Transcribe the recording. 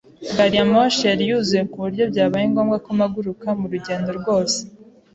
Gari ya moshi yari yuzuye ku buryo byabaye ngombwa ko mpaguruka mu rugendo rwose.